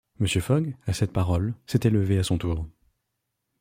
Mr. Fogg, à cette parole, s’était levé à son tour.